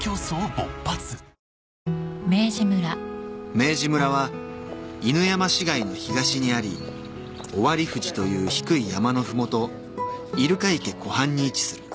［明治村は犬山市街の東にあり尾張富士という低い山のふもと入鹿池湖畔に位置する。